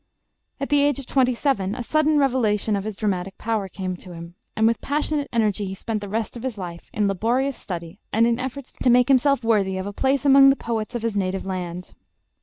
At the age of twenty seven a sudden revelation of his dramatic power came to him, and with passionate energy he spent the rest of his life in laborious study and in efforts to make himself worthy of a place among the poets of his native land.